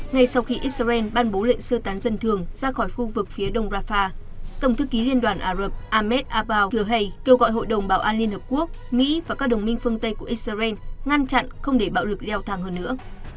ngay sau khi israel ban bố lệnh sơ tán dân thường ra khỏi khu vực phía đông rafah tổng thư ký liên đoàn ả rập ahmed aboog hay kêu gọi hội đồng bảo an liên hợp quốc mỹ và các đồng minh phương tây của israel ngăn chặn không để bạo lực leo thang hơn nữa